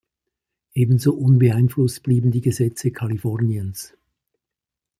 Ebenso unbeeinflusst blieben die Gesetze Kaliforniens.